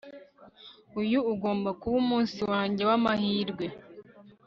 Uyu ugomba kuba umunsi wanjye wamahirwe